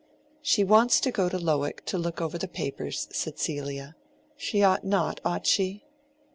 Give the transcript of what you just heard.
"She wants to go to Lowick, to look over papers," said Celia. "She ought not, ought she?"